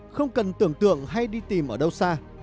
không cần tưởng tượng hay đi tìm ở đâu xa